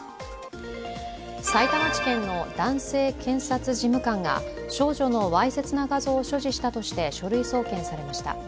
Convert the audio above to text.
さいたま地検の男性検察事務官が少女のわいせつな画像を所持したとして書類送検されました。